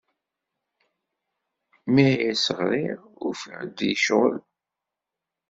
Mi as-ɣriɣ, ufiɣ-t yecɣel.